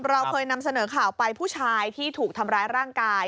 เราเคยนำเสนอข่าวไปผู้ชายที่ถูกทำร้ายร่างกาย